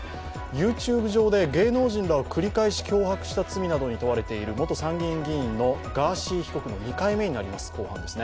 ＹｏｕＴｕｂｅ上で芸能人らを繰り返し脅迫した罪などに問われている元参議院議員のガーシー被告の２回目になります公判です。